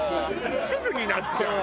「すぐになっちゃうの」